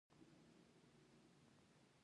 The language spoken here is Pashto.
• واده د دوه کورنیو یووالی راولي.